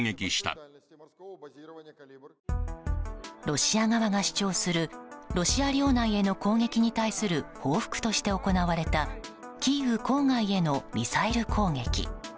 ロシア側が主張するロシア領内への攻撃に対する報復として行われたキーウ郊外へのミサイル攻撃。